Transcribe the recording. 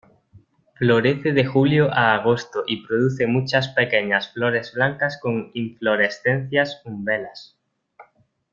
Florece de julio a agosto y produce muchas pequeñas flores blancas con inflorescencias umbelas.